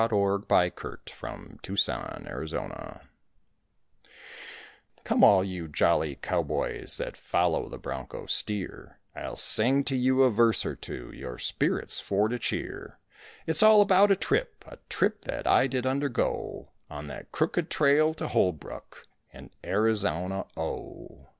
THE CROOKED TRAIL TO HOLBROOK Come all you jolly cowboys that follow the bronco steer, I'll sing to you a verse or two your spirits for to cheer; It's all about a trip, a trip that I did undergo On that crooked trail to Holbrook, in Arizona oh.